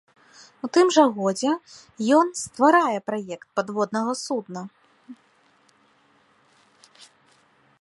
У тым жа годзе ён стварае праект падводнага судна.